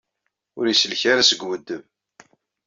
Ur isellek ara seg uweddeb.